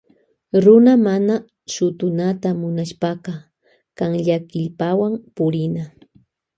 Runa mana shutunata munashpaka kamyakillpawan purina.